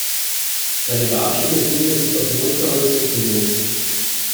Seine Grabstelle befindet sich auf dem Osterholzer Friedhof.